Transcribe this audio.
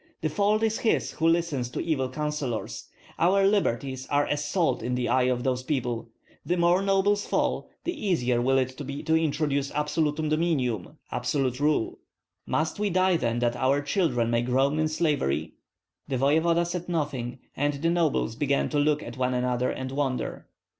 The fault is his who listens to evil counsellors. Our liberties are as salt in the eye to those people. The more nobles fall, the easier will it be to introduce absolutum dominium (absolute rule)." "Must we die, then, that our children may groan in slavery?" The voevoda said nothing, and the nobles began to look at one another and wonder.